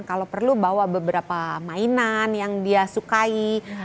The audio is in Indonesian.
kalau perlu bawa beberapa mainan yang dia sukai